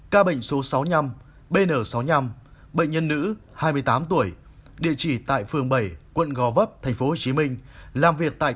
ca bệnh số sáu mươi năm bn sáu mươi năm bệnh nhân nữ hai mươi tám tuổi địa chỉ tại phường bảy quận gò vấp tp hcm làm việc tại